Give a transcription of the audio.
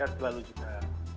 ketuklah lu juga ya